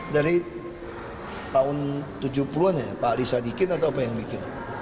dari tahun tujuh puluh an ya pak ali sadikin atau apa yang bikin